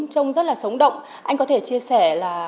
trông rất là sống động anh có thể chia sẻ là